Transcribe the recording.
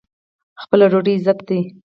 خپله ډوډۍ عزت دی.